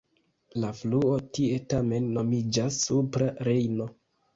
La fluo tie tamen nomiĝas Supra Rejno.